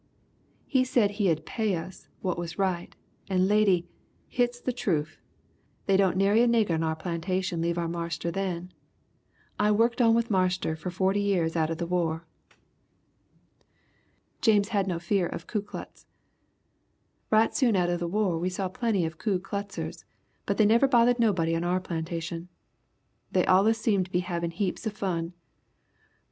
He said he 'ud pay us what was right, and Lady, hit's the troof, they didn't nary a nigger on our plantation leave our marster then! I wukked on with Marster for 40 years atter the war!" James had no fear of the Ku Klux. "Right soon atter the war we saw plenty of Ku Kluxers but they never bothered nobody on our plantation. They allus seemed to be havin' heaps of fun.